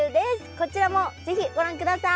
こちらも是非ご覧ください。